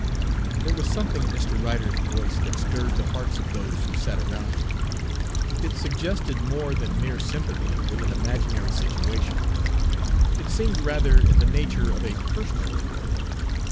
There was something in Mr. Ryder's voice that stirred the hearts of those who sat around him. It suggested more than mere sympathy with an imaginary situation; it seemed rather in the nature of a personal appeal.